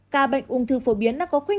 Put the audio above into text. các bệnh uống thư phổ biến đã có khuyên